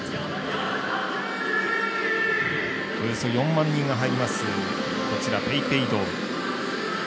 およそ４万人が入りますＰａｙＰａｙドーム。